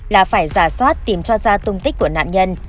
là phải giả soát tìm cho ra tung tích của nạn nhân